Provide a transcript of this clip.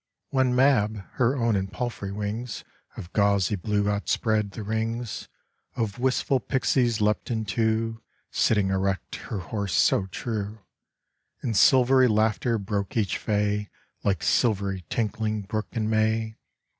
When Mab (her own and palfrey's wings Of gauzy blue outspread) the rings Of wistful pixies leapt into, Sitting erect her horse so true, In silvery laughter broke each fay, Like silvery tinkling brook in May.